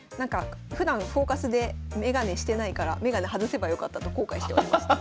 ふだん「フォーカス」で眼鏡してないから眼鏡外せばよかったと後悔しておりました。